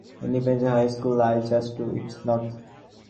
Independence High School lies just to its north.